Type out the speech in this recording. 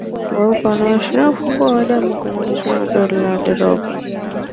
Weupe unaoashiria upungufu wa damu kwenye macho na mdomo ni dalili ya ndorobo